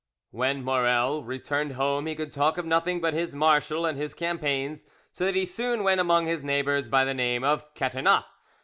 When Maurel returned home he could talk of nothing but his marshal and his campaigns, so that he soon went among his neighbours by the name of "Catinat."